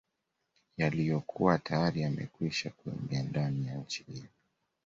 Yaliyokuwa tayari yamekwisha kuingia ndani ya nchi hiyo